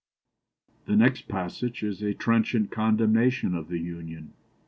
'" The next passage is a trenchant condemnation of the "Union."